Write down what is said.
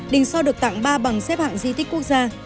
đình so được tặng ba bằng xếp hạng di tích quốc gia